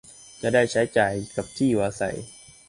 จะได้ใช้จ่ายกับที่อยู่อาศัย